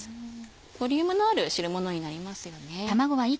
ボリュームのある汁物になりますよね。